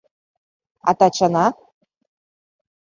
А Тачана?